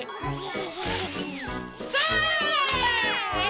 それ！